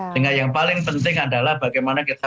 sehingga yang paling penting adalah bagaimana kita